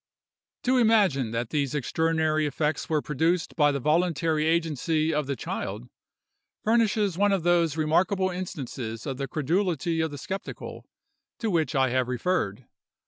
_ To imagine that these extraordinary effects were produced by the voluntary agency of the child, furnishes one of those remarkable instances of the credulity of the skeptical, to which I have referred.